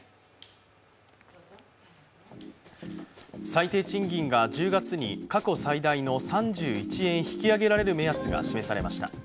最低賃金が１０月に過去最大の３１円引き上げられる目安が示されました。